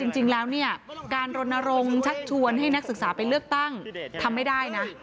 จริงแล้วเนี่ยการรณรงค์ชักชวนให้นักศึกษาไปเลือกตั้งทำไม่ได้นะ